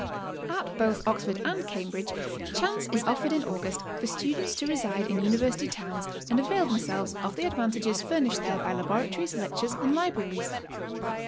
At both Oxford and Cambridge chance is offered in August for students to reside in university towns and avail themselves of the advantages furnished there by laboratories, lectures and libraries.